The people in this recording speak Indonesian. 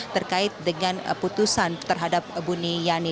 terkait dengan putusan terhadap buniyani